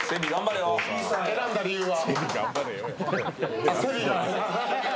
選んだ理由は？